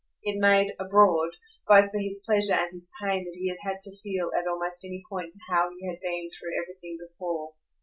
It made, "abroad," both for his pleasure and his pain that he had to feel at almost any point how he had been through everything before.